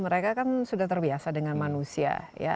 mereka kan sudah terbiasa dengan manusia